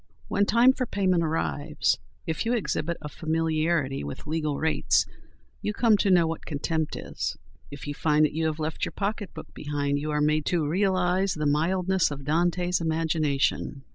When time for payment arrives, if you exhibit a familiarity with legal rates you come to know what contempt is; if you find that you have left your pocketbook behind you are made to realise the mildness of Dante's imagination.